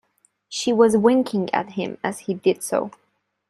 She was winking at him as he did so.